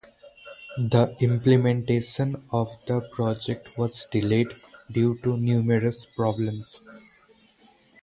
The implementation of the project was delayed due to numerous problems.